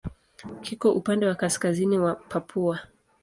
Kiko upande wa kaskazini wa Papua.